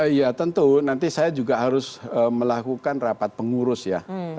ya tentu nanti saya juga harus melakukan rapat pengurus ya